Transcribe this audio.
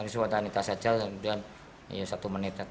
spontanitas saja dan satu menit saja